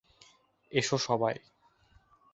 এসো, সবাই।